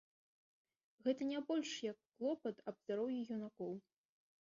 Гэта не больш як клопат аб здароўі юнакоў.